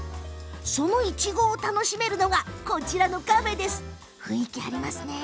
そのいちごが楽しめるのがこちらのカフェ。